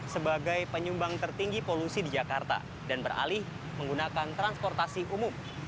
sebagai penyumbang tertinggi polusi di jakarta dan beralih menggunakan transportasi umum